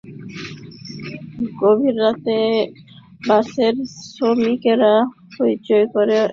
গভীর রাতে বাসের শ্রমিকেরা হইচই করে আড্ডা দেওয়ায় খুব সমস্যা হয়।